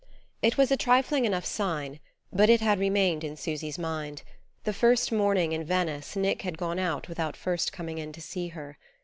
IT was a trifling enough sign, but it had remained in Susy's mind: that first morning in Venice Nick had gone out without first coming in to see her.